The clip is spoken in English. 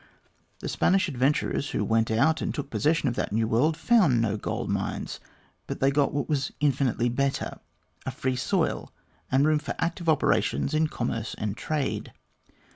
The Spanish adventurers, who went out and took possession of that new world, found no gold mines, but they got what was infinitely better a free soil, and room for active operations in commerce and trade.